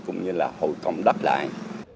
cũng như là hồi cộng đất lại